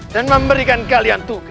dan memberikan kalian tugas